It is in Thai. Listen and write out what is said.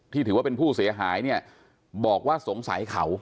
ถือว่าเป็นผู้เสียหายเนี่ยบอกว่าสงสัยเขา